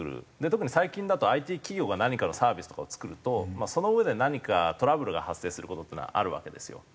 特に最近だとＩＴ企業が何かのサービスとかを作るとそのうえで何かトラブルが発生する事っていうのはあるわけですよ。